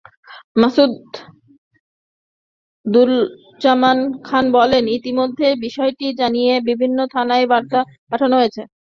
মাসুদুজ্জামান খান বলেন, ইতিমধ্যে বিষয়টি জানিয়ে বিভিন্ন থানায় বার্তা পাঠানো হয়েছে।